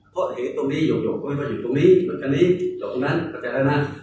เพราะเห็นตรงนี้หยกก็อยู่ตรงนี้ตรงนี้ตรงนั้นแต่แล้วนะ